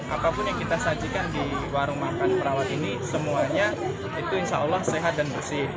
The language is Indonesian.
apapun yang kita sajikan di warung makan perawat ini semuanya itu insya allah sehat dan bersih